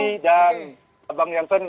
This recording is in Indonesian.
luka ferry dan bang yansen